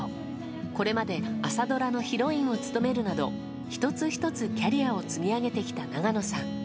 これまで朝ドラのヒロインを務めるなど１つ１つキャリアを積み上げてきた永野さん。